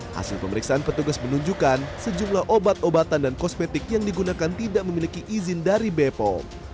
hasil pemeriksaan petugas menunjukkan sejumlah obat obatan dan kosmetik yang digunakan tidak memiliki izin dari bepom